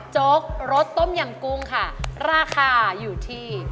จง๑๑บาท